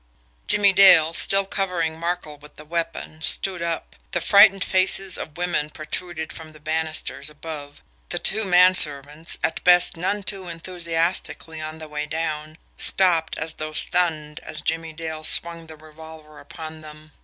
Jimmie Dale, still covering Markel with the weapon, stood up. The frightened faces of women protruded over the banisters above. The two men servants, at best none too enthusiastically on the way down, stopped as though stunned as Jimmie Dale swung the revolver upon them.